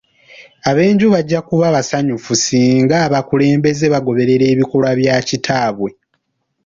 Ab'enju bajja kuba basanyufu singa abakulembeze bagoberera ebikolwa bya kitaabwe.